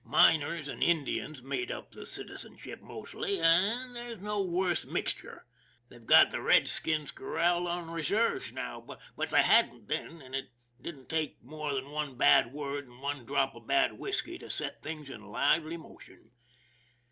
Miners and Indians made up the citizenship mostly, and there's no worse mixture. They've got the red skins corralled on reserves now ; but they hadn't then, and it didn't take more than one bad word and one drop of bad whisky to set things in lively motion.